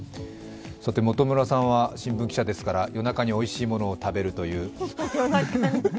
元村さんは新聞記者ですから、夜中においしいものをたべるという。